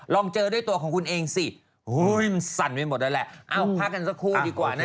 ลองเจอด้วยตัวของคุณเองสิมันสั่นไปหมดนั่นแหละเอ้าพักกันสักครู่ดีกว่านะ